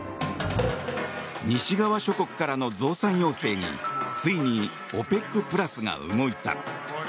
西側諸国からの増産要請についにＯＰＥＣプラスが動いた。